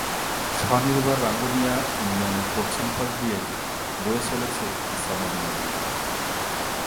স্বনির্ভর রাঙ্গুনিয়া ইউনিয়নের পশ্চিম পাশ দিয়ে বয়ে চলেছে ইছামতি নদী।